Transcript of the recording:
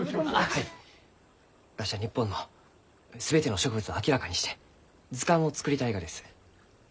わしは日本の全ての植物を明らかにして図鑑を作りたいがです。